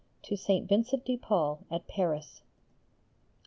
_To St. Vincent de Paul at Paris.